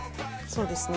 そうですね